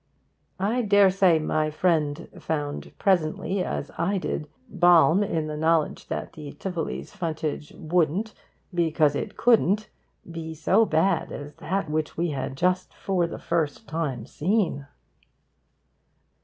I daresay my friend found presently, as I did, balm in the knowledge that the Tivoli's frontage wouldn't, because it couldn't, be so bad as that which we had just, for the first time, seen.